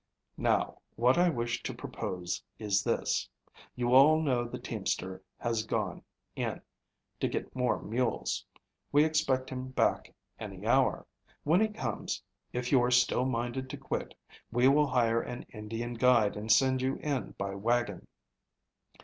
Now, what I wish to propose is this: You all know the teamster has gone in to get more mules. We expect him back any hour. When he comes if you are still minded to quit, we will hire an Indian guide and send you in by wagon.